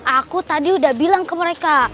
aku tadi udah bilang ke mereka